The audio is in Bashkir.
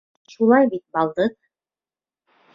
Шулай бит, балдыҙ!